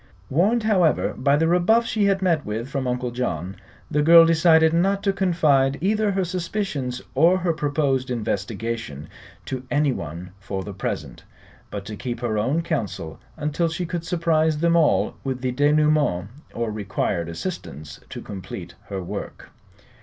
Warned, however, by the rebuff she had met with from Uncle John, the girl decided not to confide either her suspicions or her proposed investigation to anyone for the present, but to keep her own counsel until she could surprise them all with the denouement or required assistance to complete her work.